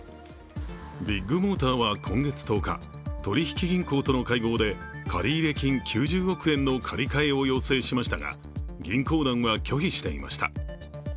ビッグモーターは今月１０日取引銀行との会合で借入金９０億円の借り換えを要請しましたが、銀行団は拒否していました。